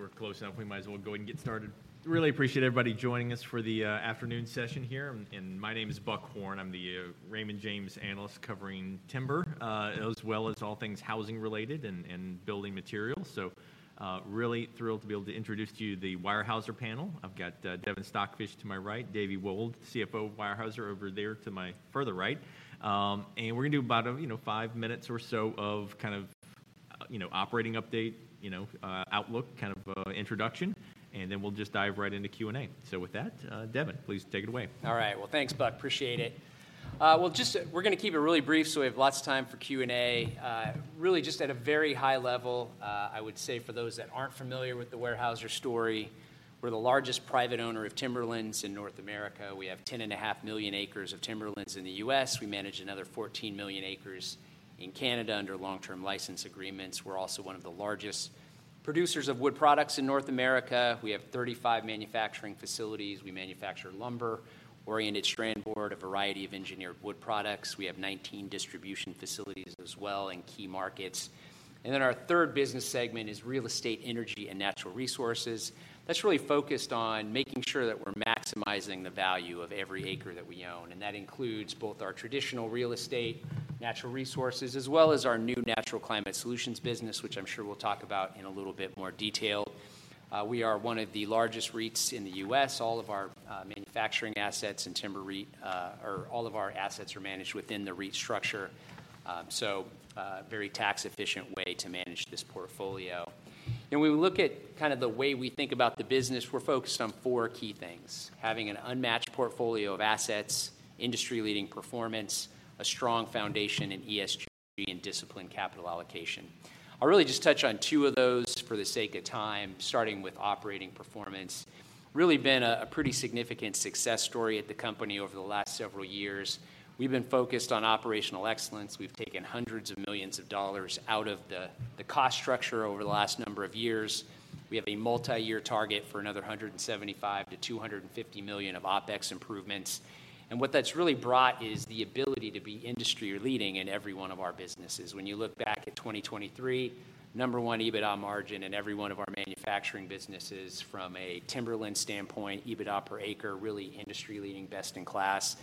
All right, I think we're close enough. We might as well go ahead and get started. Really appreciate everybody joining us for the afternoon session here. My name is Buck Horne. I'm the Raymond James analyst covering timber, as well as all things housing-related and building materials. So, really thrilled to be able to introduce to you the Weyerhaeuser panel. I've got Devin Stockfish to my right, David Wold, CFO of Weyerhaeuser, over there to my further right. And we're gonna do about, you know, five minutes or so of kind of, you know, operating update, you know, outlook, kind of, introduction, and then we'll just dive right into Q&A. So with that, Devin, please take it away. All right. Well, thanks, Buck. Appreciate it. We'll just, we're gonna keep it really brief, so we have lots of time for Q&A. Really just at a very high level, I would say for those that aren't familiar with the Weyerhaeuser story, we're the largest private owner of timberlands in North America. We have 10.5 million acres of timberlands in the U.S. We manage another 14 million acres in Canada under long-term license agreements. We're also one of the largest producers of wood products in North America. We have 35 manufacturing facilities. We manufacture lumber, oriented strand board, a variety of engineered wood products. We have 19 distribution facilities as well in key markets. And then our third business segment is Real Estate, Energy, and Natural Resources. That's really focused on making sure that we're maximizing the value of every acre that we own, and that includes both our traditional real estate, natural resources, as well as our new natural climate solutions business, which I'm sure we'll talk about in a little bit more detail. We are one of the largest REITs in the U.S. All of our manufacturing assets and timber REIT, or all of our assets are managed within the REIT structure. So, very tax-efficient way to manage this portfolio. When we look at kind of the way we think about the business, we're focused on four key things: having an unmatched portfolio of assets, industry-leading performance, a strong foundation in ESG, and disciplined capital allocation. I'll really just touch on two of those for the sake of time, starting with operating performance. It's really been a pretty significant success story at the company over the last several years. We've been focused on operational excellence. We've taken hundreds of millions of dollars out of the cost structure over the last number of years. We have a multi-year target for another $175 million-$250 million of OpEx improvements. And what that's really brought is the ability to be industry-leading in every one of our businesses. When you look back at 2023, number one EBITDA margin in every one of our manufacturing businesses. From a timberland standpoint, EBITDA per acre, really industry-leading, best in class,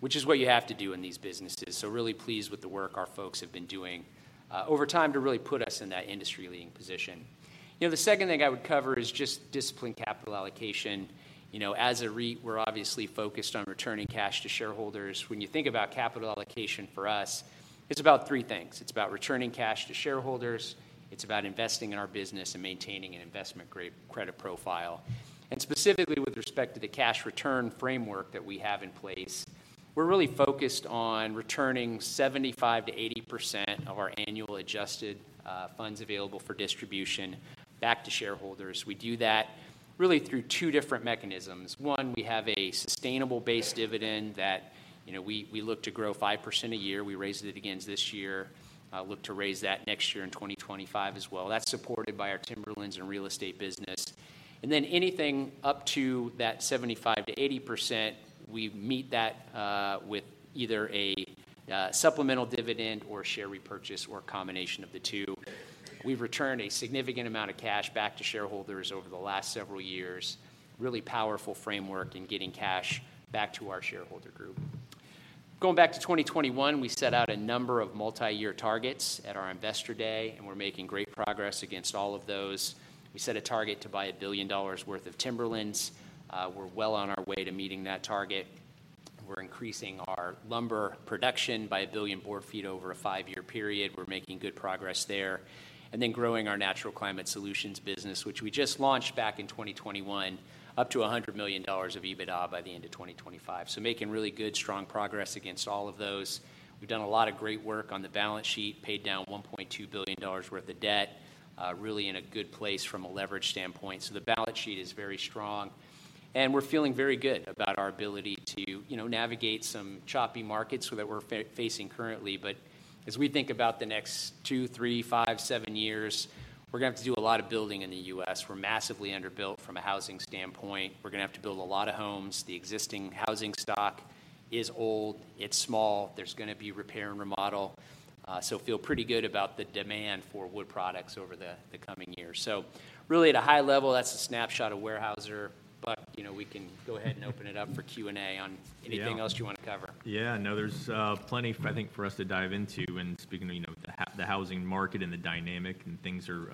which is what you have to do in these businesses. So really pleased with the work our folks have been doing over time to really put us in that industry-leading position. You know, the second thing I would cover is just disciplined capital allocation. You know, as a REIT, we're obviously focused on returning cash to shareholders. When you think about capital allocation for us, it's about three things: It's about returning cash to shareholders, it's about investing in our business and maintaining an investment-grade credit profile. And specifically, with respect to the cash return framework that we have in place, we're really focused on returning 75%-80% of our annual adjusted funds available for distribution back to shareholders. We do that really through two different mechanisms. One, we have a sustainable base dividend that, you know, we look to grow 5% a year. We raised it again this year, look to raise that next year in 2025 as well. That's supported by our timberlands and real estate business. Then anything up to that 75%-80%, we meet that with either a supplemental dividend or share repurchase or a combination of the two. We've returned a significant amount of cash back to shareholders over the last several years. Really powerful framework in getting cash back to our shareholder group. Going back to 2021, we set out a number of multi-year targets at our Investor Day, and we're making great progress against all of those. We set a target to buy $1 billion worth of timberlands. We're well on our way to meeting that target. We're increasing our lumber production by 1 billion board feet over a five year period. We're making good progress there. And then growing our natural climate solutions business, which we just launched back in 2021, up to $100 million of EBITDA by the end of 2025. So making really good, strong progress against all of those. We've done a lot of great work on the balance sheet, paid down $1.2 billion worth of debt. Really in a good place from a leverage standpoint, so the balance sheet is very strong, and we're feeling very good about our ability to, you know, navigate some choppy markets that we're facing currently. But as we think about the next two, three, five, seven years, we're gonna have to do a lot of building in the U.S. We're massively underbuilt from a housing standpoint. We're gonna have to build a lot of homes. The existing housing stock is old, it's small. There's gonna be repair and remodel. So feel pretty good about the demand for wood products over the coming years. So really, at a high level, that's a snapshot of Weyerhaeuser, but, you know, we can go ahead and open it up for Q&A on- Yeah. Anything else you want to cover? Yeah, no, there's plenty, I think, for us to dive into. And speaking of, you know, the housing market and the dynamic, and things are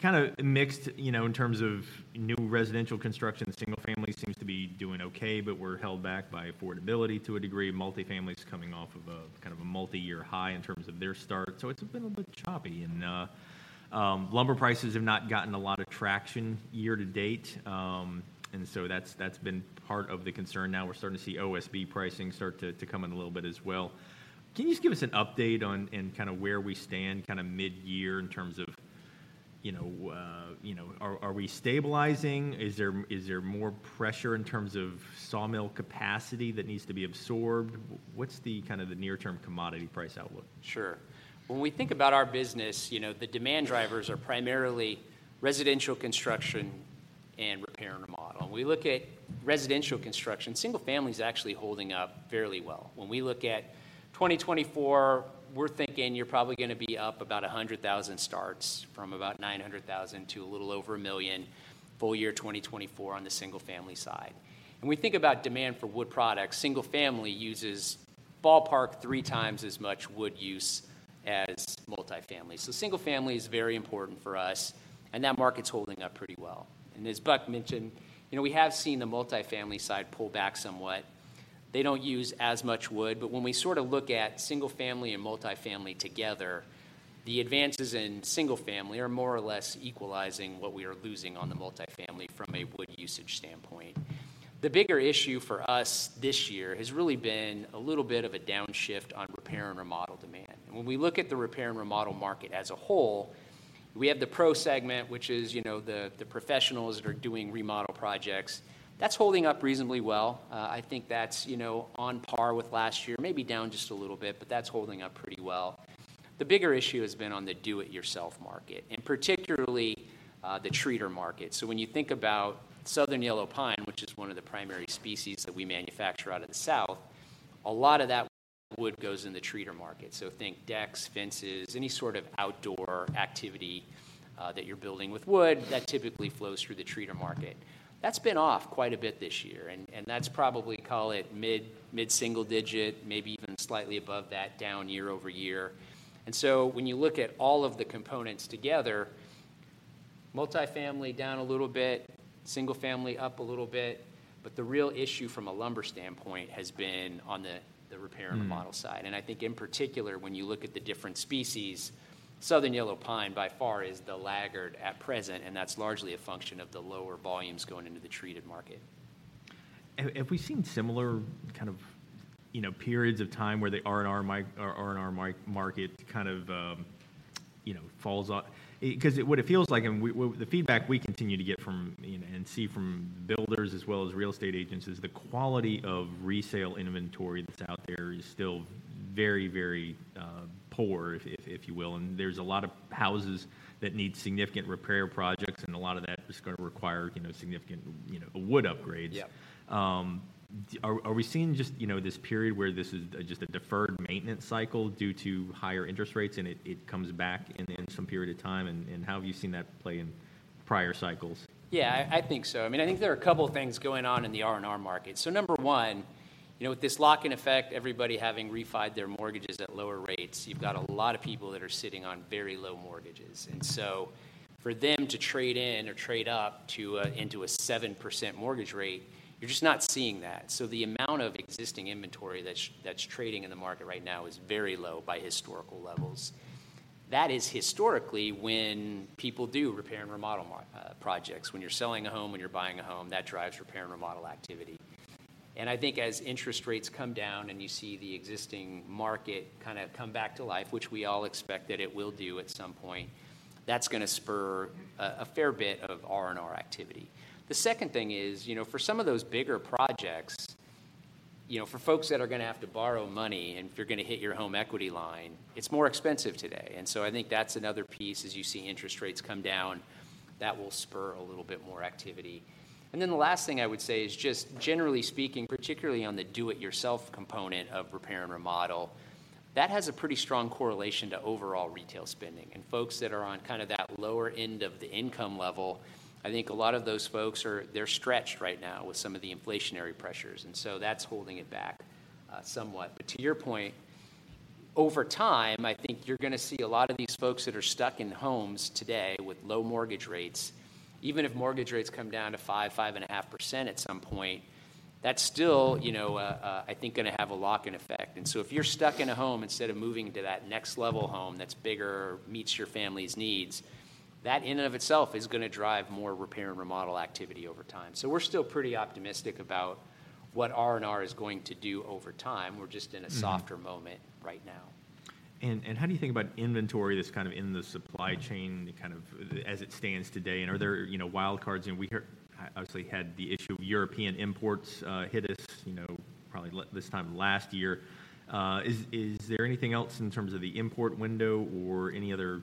kind of mixed, you know, in terms of new residential construction. The single-family seems to be doing okay, but we're held back by affordability to a degree. Multifamily is coming off of a kind of multi-year high in terms of their start. So it's been a bit choppy and lumber prices have not gotten a lot of traction year to date, and so that's been part of the concern. Now we're starting to see OSB pricing start to come in a little bit as well. Can you just give us an update on and kind of where we stand kind of mid-year in terms of, you know, you know, are we stabilizing? Is there, is there more pressure in terms of sawmill capacity that needs to be absorbed? What's the kind of the near-term commodity price outlook? Sure. When we think about our business, you know, the demand drivers are primarily residential construction and repair and remodel. When we look at residential construction, single-family is actually holding up fairly well. When we look at 2024, we're thinking you're probably gonna be up about 100,000 starts, from about 900,000 to a little over a million, full-year 2024 on the single-family side. When we think about demand for wood products, single-family uses, ballpark, three times as much wood use as multifamily. So single-family is very important for us, and that market's holding up pretty well. And as Buck mentioned, you know, we have seen the multifamily side pull back somewhat. They don't use as much wood, but when we sort of look at single family and multifamily together, the advances in single family are more or less equalizing what we are losing on the multifamily from a wood usage standpoint. The bigger issue for us this year has really been a little bit of a downshift on repair and remodel demand. When we look at the repair and remodel market as a whole, we have the Pro segment, which is, you know, the professionals that are doing remodel projects. That's holding up reasonably well. I think that's, you know, on par with last year, maybe down just a little bit, but that's holding up pretty well. The bigger issue has been on the do-it-yourself market, and particularly, the treater market. So when you think about Southern Yellow Pine, which is one of the primary species that we manufacture out of the South, a lot of that wood goes in the treater market. So think decks, fences, any sort of outdoor activity that you're building with wood, that typically flows through the treater market. That's been off quite a bit this year, and that's probably, call it mid-single-digit, maybe even slightly above that, down year-over-year. And so when you look at all of the components together, multifamily down a little bit, single family up a little bit, but the real issue from a lumber standpoint has been on the repair and remodel side. Mm-hmm. I think in particular, when you look at the different species, Southern Yellow Pine by far is the laggard at present, and that's largely a function of the lower volumes going into the treated market. Have we seen similar kind of, you know, periods of time where the R&R market kind of, you know, falls off? 'Cause what it feels like and the feedback we continue to get from and see from builders as well as real estate agents, is the quality of resale inventory that's out there is still very, very, poor, if you will, and there's a lot of houses that need significant repair projects, and a lot of that is gonna require, you know, significant, you know, wood upgrades. Yep. Are we seeing just, you know, this period where this is just a deferred maintenance cycle due to higher interest rates, and it comes back in some period of time, and how have you seen that play in prior cycles? Yeah, I, I think so. I mean, I think there are a couple of things going on in the R&R market. So number one, you know, with this lock-in effect, everybody having refinanced their mortgages at lower rates, you've got a lot of people that are sitting on very low mortgages. And so for them to trade in or trade up into a 7% mortgage rate, you're just not seeing that. So the amount of existing inventory that's trading in the market right now is very low by historical levels. That is historically when people do repair and remodel projects. When you're selling a home, when you're buying a home, that drives repair and remodel activity. I think as interest rates come down and you see the existing market kind of come back to life, which we all expect that it will do at some point, that's gonna spur a fair bit of R&R activity. The second thing is, you know, for some of those bigger projects, you know, for folks that are gonna have to borrow money, and if you're gonna hit your home equity line, it's more expensive today. So I think that's another piece, as you see interest rates come down, that will spur a little bit more activity. Then the last thing I would say is just generally speaking, particularly on the do-it-yourself component of repair and remodel, that has a pretty strong correlation to overall retail spending. Folks that are on kinda that lower end of the income level, I think a lot of those folks are they're stretched right now with some of the inflationary pressures, and so that's holding it back somewhat. But to your point, over time, I think you're gonna see a lot of these folks that are stuck in homes today with low mortgage rates. Even if mortgage rates come down to 5%, 5.5% at some point, that's still, you know, I think, gonna have a lock-in effect. And so if you're stuck in a home, instead of moving to that next level home that's bigger, meets your family's needs, that in and of itself is gonna drive more repair and remodel activity over time. So we're still pretty optimistic about what R&R is going to do over time. Mm-hmm. We're just in a softer moment right now. And how do you think about inventory that's kind of in the supply chain, kind of as it stands today? And are there, you know, wild cards? And we hear obviously had the issue of European imports hit us, you know, probably this time last year. Is there anything else in terms of the import window or any other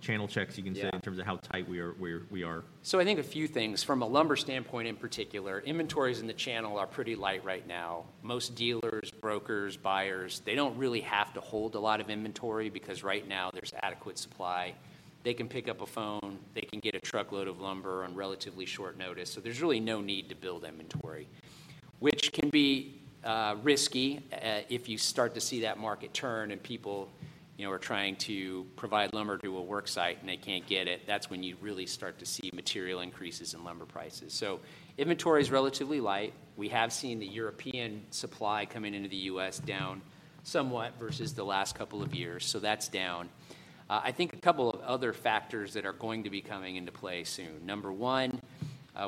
channel checks you can see- Yeah in terms of how tight we are, we are? So I think a few things. From a lumber standpoint, in particular, inventories in the channel are pretty light right now. Most dealers, brokers, buyers, they don't really have to hold a lot of inventory because right now there's adequate supply. They can pick up a phone, they can get a truckload of lumber on relatively short notice. So there's really no need to build inventory, which can be risky if you start to see that market turn and people, you know, are trying to provide lumber to a work site and they can't get it, that's when you really start to see material increases in lumber prices. So inventory is relatively light. We have seen the European supply coming into the U.S. down somewhat versus the last couple of years, so that's down. I think a couple of other factors that are going to be coming into play soon. Number one,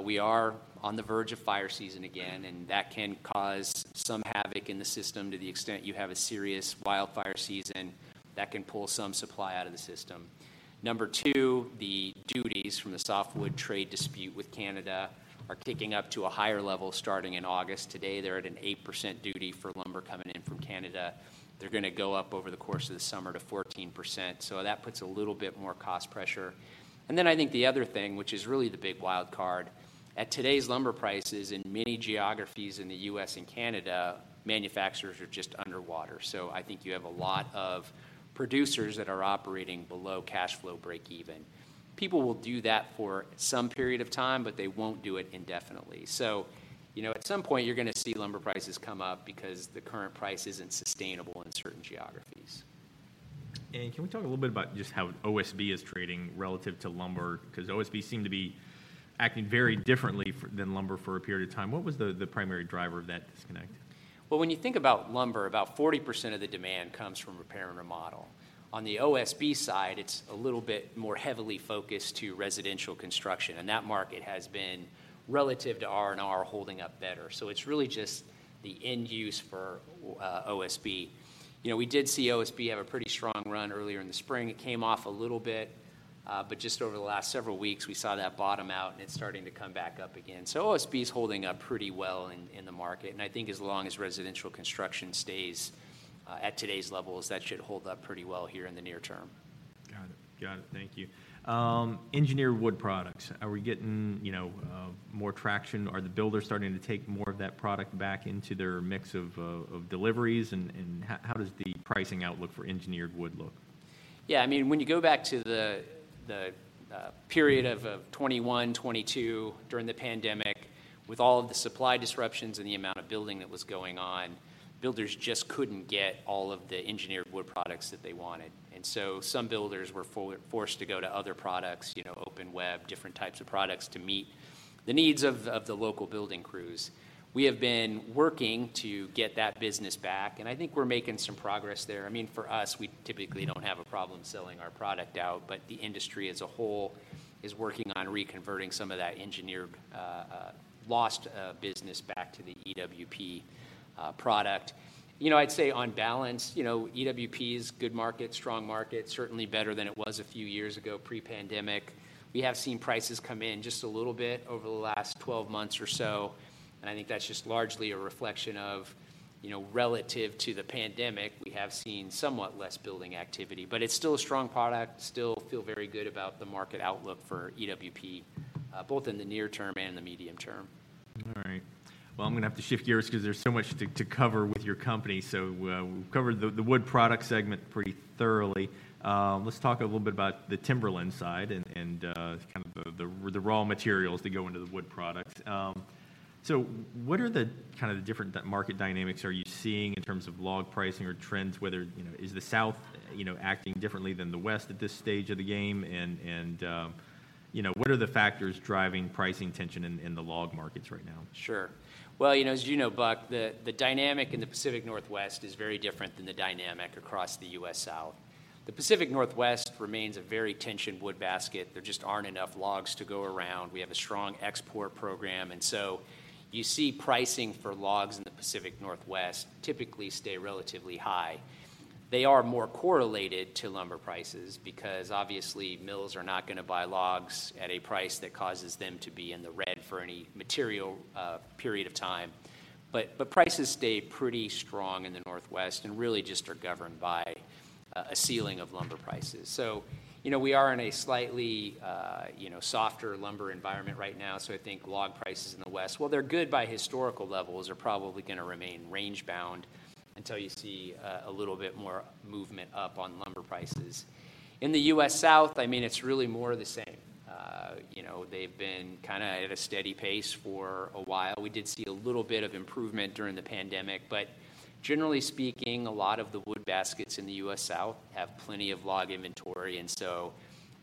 we are on the verge of fire season again mmh and that can cause some havoc in the system. To the extent you have a serious wildfire season, that can pull some supply out of the system. Number two, the duties from the softwood trade dispute with Canada are kicking up to a higher level starting in August. Today, they're at an 8% duty for lumber coming in from Canada. They're gonna go up over the course of the summer to 14%, so that puts a little bit more cost pressure. And then I think the other thing, which is really the big wild card, at today's lumber prices, in many geographies in the U.S. and Canada, manufacturers are just underwater. So I think you have a lot of producers that are operating below cash flow breakeven. People will do that for some period of time, but they won't do it indefinitely. You know, at some point, you're gonna see lumber prices come up because the current price isn't sustainable in certain geographies. Can we talk a little bit about just how OSB is trading relative to lumber? 'Cause OSB seemed to be acting very differently than lumber for a period of time. What was the primary driver of that disconnect? Well, when you think about lumber, about 40% of the demand comes from repair and remodel. On the OSB side, it's a little bit more heavily focused to residential construction, and that market has been, relative to R&R, holding up better. So it's really just the end use for OSB. You know, we did see OSB have a pretty strong run earlier in the spring. It came off a little bit, but just over the last several weeks, we saw that bottom out, and it's starting to come back up again. So OSB is holding up pretty well in the market, and I think as long as residential construction stays at today's levels, that should hold up pretty well here in the near term. Got it. Got it. Thank you. Engineered wood products, are we getting, you know, more traction? Are the builders starting to take more of that product back into their mix of deliveries, and how does the pricing outlook for engineered wood look? Yeah, I mean, when you go back to the period of 2021, 2022, during the pandemic, with all of the supply disruptions and the amount of building that was going on, builders just couldn't get all of the engineered wood products that they wanted. And so some builders were forced to go to other products, you know, open web, different types of products, to meet the needs of the local building crews. We have been working to get that business back, and I think we're making some progress there. I mean, for us, we typically don't have a problem selling our product out, but the industry as a whole is working on reconverting some of that engineered lost business back to the EWP product. You know, I'd say on balance, you know, EWP is good market, strong market, certainly better than it was a few years ago, pre-pandemic. We have seen prices come in just a little bit over the last 12 months or so, and I think that's just largely a reflection of, you know, relative to the pandemic, we have seen somewhat less building activity. But it's still a strong product, still feel very good about the market outlook for EWP, both in the near term and the medium term. All right. Well, I'm gonna have to shift gears because there's so much to cover with your company. So, we've covered the wood product segment pretty thoroughly. Let's talk a little bit about the timberland side and kind of the raw materials that go into the wood products. So what are the different market dynamics are you seeing in terms of log pricing or trends, whether, you know... Is the South, you know, acting differently than the West at this stage of the game? And you know, what are the factors driving pricing tension in the log markets right now? Sure. Well, you know, Buck, the dynamic in the Pacific Northwest is very different than the dynamic across the US South. The Pacific Northwest remains a very tensioned wood basket. There just aren't enough logs to go around. We have a strong export program, and so you see pricing for logs in the Pacific Northwest typically stay relatively high. They are more correlated to lumber prices because obviously, mills are not gonna buy logs at a price that causes them to be in the red for any material period of time. But prices stay pretty strong in the Northwest and really just are governed by a ceiling of lumber prices. So, you know, we are in a slightly softer lumber environment right now, so I think log prices in the West, while they're good by historical levels, are probably gonna remain range-bound until you see a little bit more movement up on lumber prices. In the US South, I mean, it's really more of the same. You know, they've been kinda at a steady pace for a while. We did see a little bit of improvement during the pandemic, but generally speaking, a lot of the wood baskets in the US South have plenty of log inventory, and so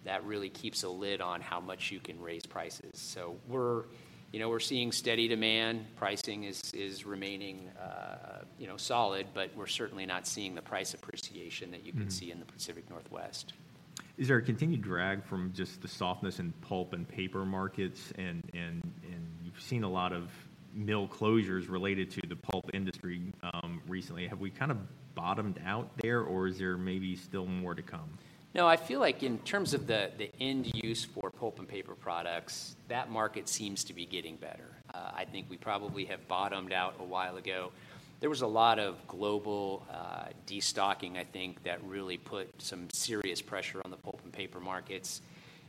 that really keeps a lid on how much you can raise prices. So we're, You know, we're seeing steady demand. Pricing is remaining, you know, solid, but we're certainly not seeing the price appreciation that- Mm you would see in the Pacific Northwest. Is there a continued drag from just the softness in pulp and paper markets? And you've seen a lot of mill closures related to the pulp industry recently. Have we kind of bottomed out there, or is there maybe still more to come? No, I feel like in terms of the end use for pulp and paper products, that market seems to be getting better. I think we probably have bottomed out a while ago. There was a lot of global destocking, I think, that really put some serious pressure on the pulp and paper markets.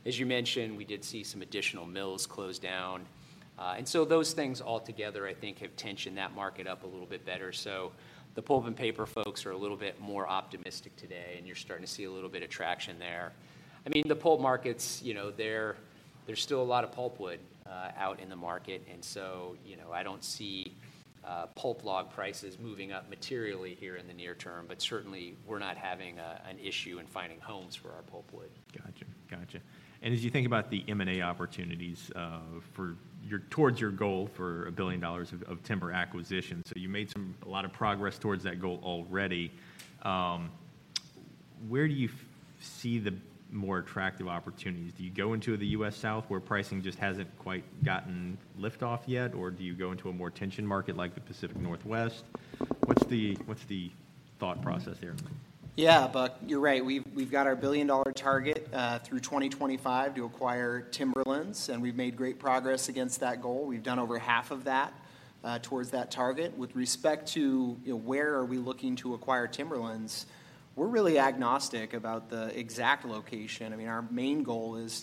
As you mentioned, we did see some additional mills close down, and so those things altogether, I think, have tensioned that market up a little bit better. So the pulp and paper folks are a little bit more optimistic today, and you're starting to see a little bit of traction there. I mean, the pulp markets, you know, there's still a lot of pulpwood out in the market, and so, you know, I don't see pulp log prices moving up materially here in the near term, but certainly, we're not having an issue in finding homes for our pulpwood. Gotcha, gotcha. As you think about the M&A opportunities for towards your goal for $1 billion of timber acquisitions, so you made a lot of progress towards that goal already. Where do you see the more attractive opportunities? Do you go into the US South, where pricing just hasn't quite gotten lift-off yet, or do you go into a more tensioned market like the Pacific Northwest? What's the thought process here? Yeah, Buck, you're right. We've got our billion-dollar target through 2025 to acquire timberlands, and we've made great progress against that goal. We've done over half of that towards that target. With respect to, you know, where are we looking to acquire timberlands, we're really agnostic about the exact location. I mean, our main goal is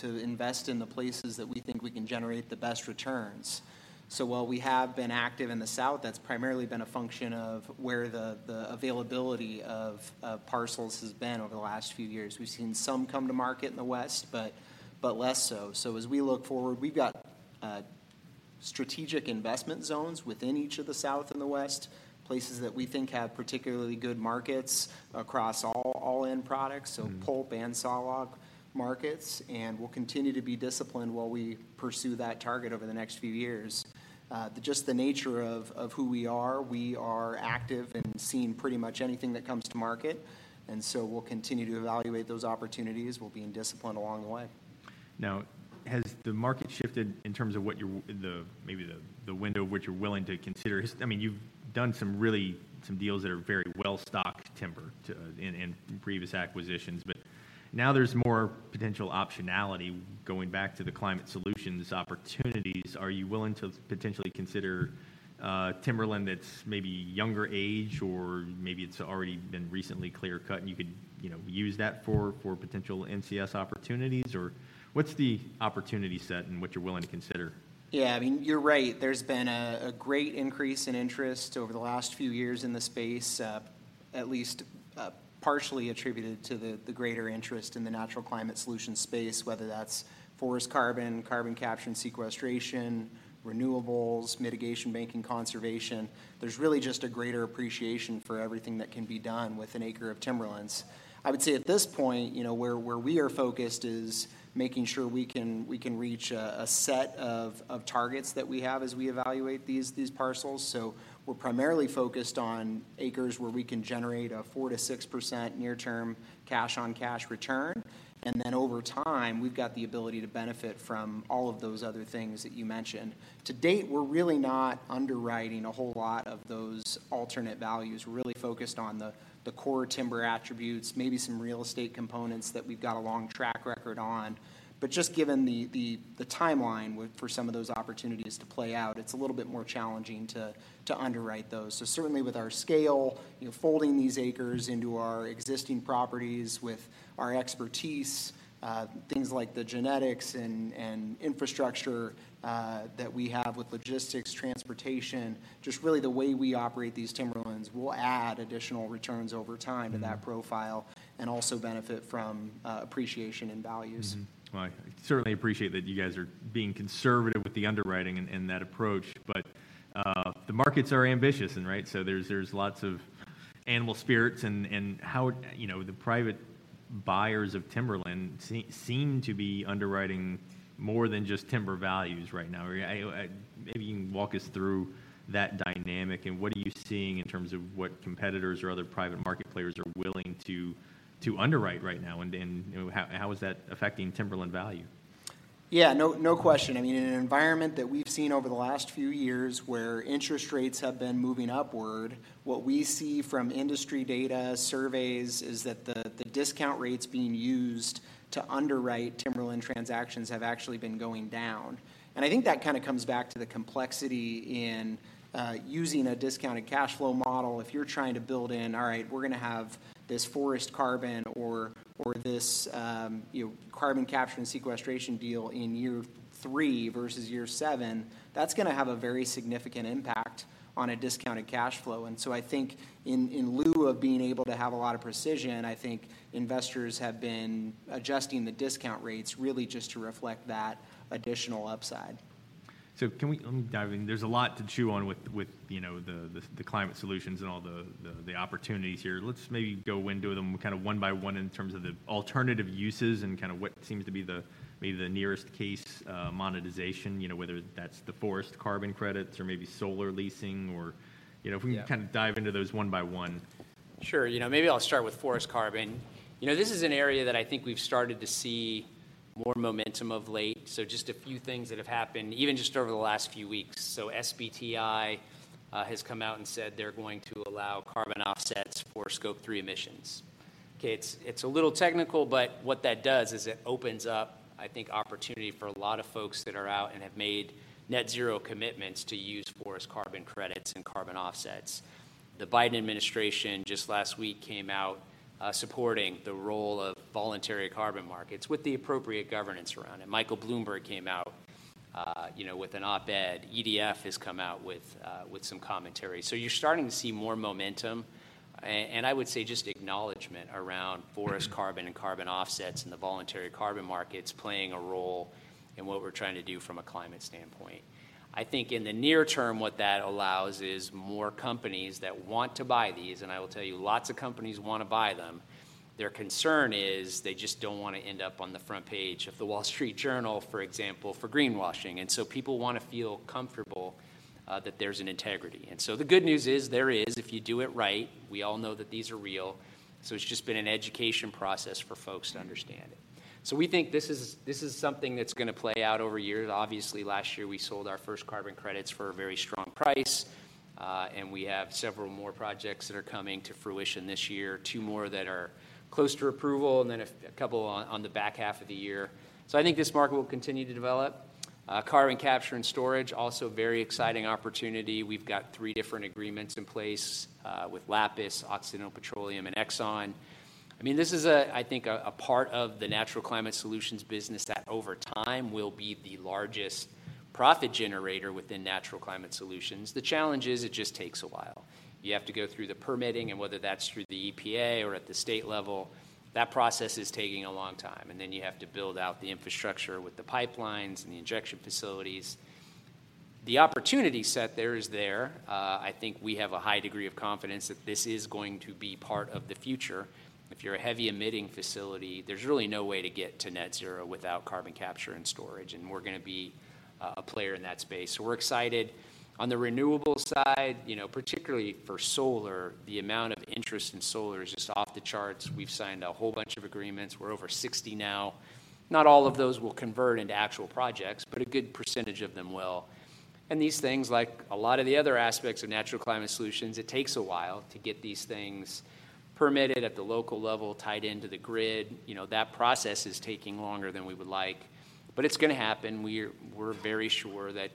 to invest in the places that we think we can generate the best returns. So while we have been active in the South, that's primarily been a function of where the availability of parcels has been over the last few years. We've seen some come to market in the West, but less so. So as we look forward, we've got strategic investment zones within each of the South and the West, places that we think have particularly good markets across all end products- Mm-hmm. So pulp and sawlog markets, and we'll continue to be disciplined while we pursue that target over the next few years. Just the nature of who we are, we are active in seeing pretty much anything that comes to market, and so we'll continue to evaluate those opportunities. We'll be in discipline along the way. Now, has the market shifted in terms of what you're, maybe the window of which you're willing to consider? I mean, you've done some really some deals that are very well-stocked timber in previous acquisitions, but now there's more potential optionality. Going back to the climate solutions opportunities, are you willing to potentially consider timberland that's maybe younger age, or maybe it's already been recently clear-cut, and you could, you know, use that for potential NCS opportunities? Or what's the opportunity set and what you're willing to consider? Yeah, I mean, you're right. There's been a great increase in interest over the last few years in the space, at least partially attributed to the greater interest in the natural climate solution space, whether that's forest carbon, carbon capture and sequestration, renewables, mitigation, banking, conservation. There's really just a greater appreciation for everything that can be done with an acre of timberlands. I would say at this point, you know, where we are focused is making sure we can reach a set of targets that we have as we evaluate these parcels. So we're primarily focused on acres where we can generate a 4%-6% near-term cash-on-cash return, and then over time, we've got the ability to benefit from all of those other things that you mentioned. To date, we're really not underwriting a whole lot of those alternate values. We're really focused on the core timber attributes, maybe some real estate components that we've got a long track record on. But just given the timeline for some of those opportunities to play out, it's a little bit more challenging to underwrite those. So certainly, with our scale, you know, folding these acres into our existing properties with our expertise, things like the genetics and infrastructure that we have with logistics, transportation, just really the way we operate these timberlands will add additional returns over time. Mm-hmm. to that profile and also benefit from, appreciation and values. Mm-hmm. Well, I certainly appreciate that you guys are being conservative with the underwriting and that approach, but the markets are ambitious, right? So there's lots of animal spirits, and how... You know, the private buyers of timberland seem to be underwriting more than just timber values right now. Maybe you can walk us through that dynamic, and what are you seeing in terms of what competitors or other private market players are willing to underwrite right now, and you know, how is that affecting timberland value? Yeah, no, no question. I mean, in an environment that we've seen over the last few years where interest rates have been moving upward, what we see from industry data, surveys, is that the discount rates being used to underwrite timberland transactions have actually been going down. And I think that kind of comes back to the complexity in using a discounted cash flow model. If you're trying to build in, all right, we're gonna have this forest carbon or this, you know, carbon capture and sequestration deal in year three versus year seven, that's gonna have a very significant impact on a discounted cash flow. And so I think in lieu of being able to have a lot of precision, I think investors have been adjusting the discount rates really just to reflect that additional upside. Let me dive in. There's a lot to chew on with, you know, the climate solutions and all the opportunities here. Let's maybe go into them kind of one by one in terms of the alternative uses and kind of what seems to be the maybe nearest case monetization, you know, whether that's the forest carbon credits or maybe solar leasing or, you know Yeah. If we can kind of dive into those one by one. Sure. You know, maybe I'll start with forest carbon. You know, this is an area that I think we've started to see more momentum of late, so just a few things that have happened even just over the last few weeks. So SBTi has come out and said they're going to allow carbon offsets for Scope 3 emissions. Okay, it's a little technical, but what that does is it opens up, I think, opportunity for a lot of folks that are out and have made net zero commitments to use forest carbon credits and carbon offsets. The Biden administration just last week came out supporting the role of voluntary carbon markets with the appropriate governance around it. Michael Bloomberg came out, you know, with an op-ed. EDF has come out with some commentary. So you're starting to see more momentum, and I would say just acknowledgement around forest carbon and carbon offsets and the voluntary carbon markets playing a role in what we're trying to do from a climate standpoint. I think in the near term, what that allows is more companies that want to buy these, and I will tell you, lots of companies wanna buy them. Their concern is they just don't wanna end up on the front page of The Wall Street Journal, for example, for greenwashing, and so people wanna feel comfortable, that there's an integrity. And so the good news is there is, if you do it right. We all know that these are real, so it's just been an education process for folks to understand. So we think this is, this is something that's gonna play out over years. Obviously, last year, we sold our first carbon credits for a very strong price, and we have several more projects that are coming to fruition this year, two more that are close to approval, and then a couple on, on the back half of the year. So I think this market will continue to develop. Carbon capture and storage, also a very exciting opportunity. We've got three different agreements in place, with Lapis, Occidental Petroleum, and Exxon. I mean, this is, I think, a part of the natural climate solutions business that, over time, will be the largest profit generator within natural climate solutions. The challenge is it just takes a while. You have to go through the permitting, and whether that's through the EPA or at the state level, that process is taking a long time, and then you have to build out the infrastructure with the pipelines and the injection facilities. The opportunity set there is there. I think we have a high degree of confidence that this is going to be part of the future. If you're a heavy-emitting facility, there's really no way to get to net zero without carbon capture and storage, and we're gonna be a player in that space. So we're excited. On the renewables side, you know, particularly for solar, the amount of interest in solar is just off the charts. We've signed a whole bunch of agreements. We're over 60 now. Not all of those will convert into actual projects, but a good percentage of them will. These things, like a lot of the other aspects of natural climate solutions, it takes a while to get these things permitted at the local level, tied into the grid. You know, that process is taking longer than we would like, but it's gonna happen. We're very sure that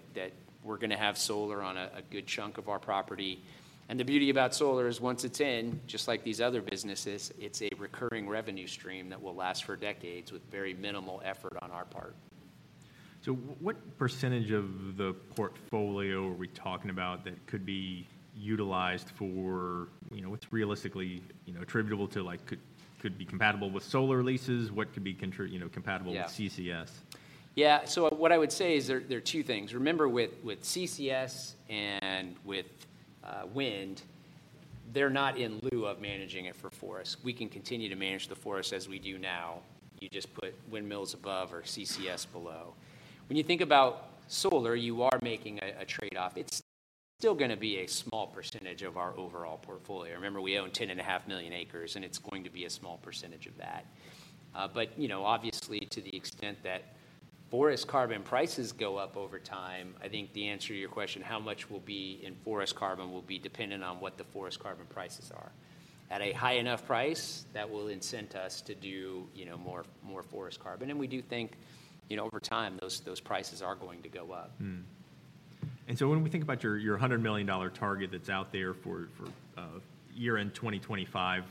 we're gonna have solar on a good chunk of our property. And the beauty about solar is, once it's in, just like these other businesses, it's a recurring revenue stream that will last for decades with very minimal effort on our part. So what percentage of the portfolio are we talking about that could be utilized for, You know, what's realistically, you know, attributable to, like, could be compatible with solar leases? What could be, you know, compatible Yeah with CCS? Yeah. So what I would say is there, there are two things. Remember, with, with CCS and with wind, they're not in lieu of managing it for forest. We can continue to manage the forest as we do now. You just put windmills above or CCS below. When you think about solar, you are making a trade-off. It's still gonna be a small percentage of our overall portfolio. Remember, we own 10.5 million acres, and it's going to be a small percentage of that. But, you know, obviously, to the extent that forest carbon prices go up over time, I think the answer to your question, how much will be in forest carbon, will be dependent on what the forest carbon prices are. At a high enough price, that will incent us to do, you know, more, more forest carbon, and we do think, you know, over time, those, those prices are going to go up. Mm-hmm. And so when we think about your $100 million target that's out there for year-end 2025,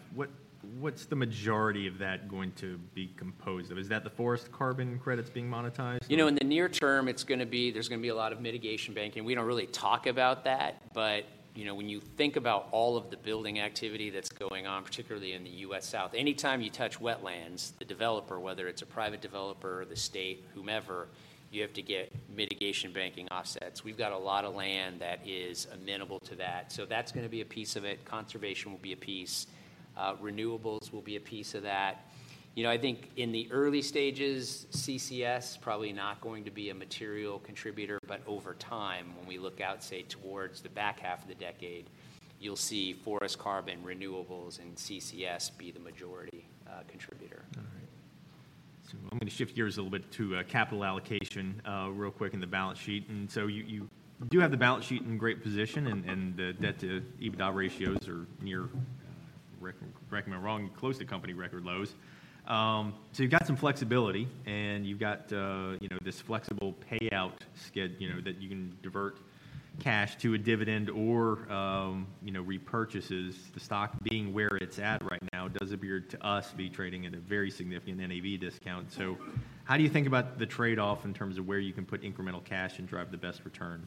what's the majority of that going to be composed of? Is that the forest carbon credits being monetized? You know, in the near term, it's gonna be, there's gonna be a lot of mitigation banking. We don't really talk about that, but, you know, when you think about all of the building activity that's going on, particularly in the US South, anytime you touch wetlands, the developer, whether it's a private developer or the state, whomever, you have to get mitigation banking offsets. We've got a lot of land that is amenable to that, so that's gonna be a piece of it. Conservation will be a piece. Renewables will be a piece of that. You know, I think in the early stages, CCS probably not going to be a material contributor, but over time, when we look out, say, towards the back half of the decade, you'll see forest carbon, renewables, and CCS be the majority contributor. All right. So I'm gonna shift gears a little bit to capital allocation, real quick, and the balance sheet. You do have the balance sheet in great position, and the debt to EBITDA ratios are near correct me if I'm wrong, close to company record lows. So you've got some flexibility, and you've got you know, this flexible payout schedule you know, that you can divert cash to a dividend or you know, repurchases. The stock being where it's at right now does appear to us to be trading at a very significant NAV discount. So how do you think about the trade-off in terms of where you can put incremental cash and drive the best return?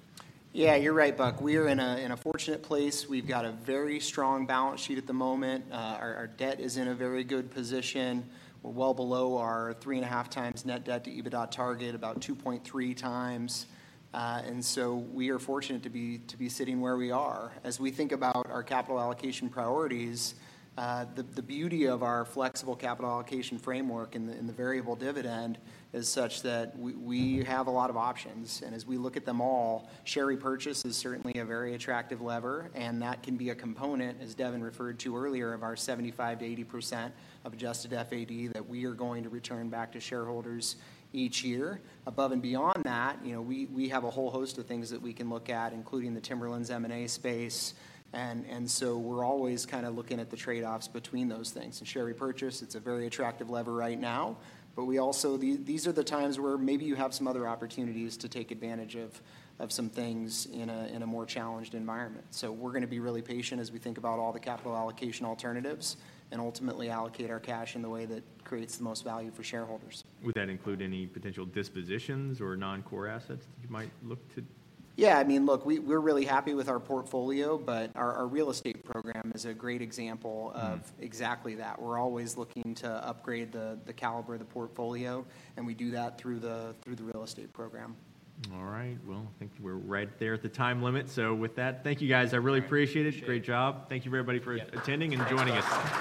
Yeah, you're right, Buck. We are in a fortunate place. We've got a very strong balance sheet at the moment. Our debt is in a very good position. We're well below our 3.5x net debt to EBITDA target, about 2.3x. And so we are fortunate to be sitting where we are. As we think about our capital allocation priorities, the beauty of our flexible capital allocation framework and the variable dividend is such that we have a lot of options, and as we look at them all, share repurchase is certainly a very attractive lever, and that can be a component, as Devin referred to earlier, of our 75%-80% of adjusted FAD that we are going to return back to shareholders each year. Above and beyond that, you know, we, we have a whole host of things that we can look at, including the Timberlands M&A space, and, and so we're always kind of looking at the trade-offs between those things. And share repurchase, it's a very attractive lever right now, but we also, these are the times where maybe you have some other opportunities to take advantage of, of some things in a, in a more challenged environment. So we're gonna be really patient as we think about all the capital allocation alternatives and ultimately allocate our cash in the way that creates the most value for shareholders. Would that include any potential dispositions or non-core assets you might look to? Yeah, I mean, look, we we're really happy with our portfolio, but our, our real estate program is a great example- Mm-hmm of exactly that. We're always looking to upgrade the caliber of the portfolio, and we do that through the real estate program. All right. Well, I think we're right there at the time limit. So with that, thank you, guys. All right. I really appreciate it. Thank you. Great job. Thank you, everybody, for attending and joining us.